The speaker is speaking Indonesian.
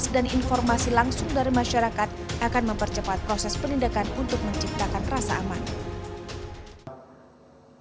dan informasi langsung dari masyarakat akan mempercepat proses penindakan untuk menciptakan rasa aman